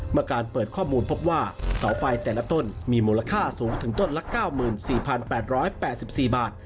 เมื่อการเปิดข้อมูลพบว่าเสาไฟแต่ละต้นมีมูลค่าสูงถึงต้นละ๙๔๘๘๔บาท